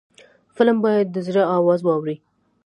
فلم باید د زړه آواز واوري